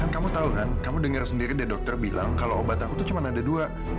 kamu tahu kan kamu dengar sendiri deh dokter bilang kalau obat aku tuh cuma ada dua